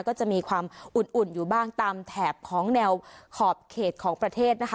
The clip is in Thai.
ก็จะมีความอุ่นอยู่บ้างตามแถบของแนวขอบเขตของประเทศนะคะ